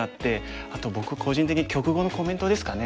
あと僕個人的に局後のコメントですかね。